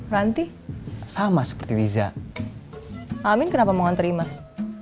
ranti sama seperti diza amin kenapa mau nganter imas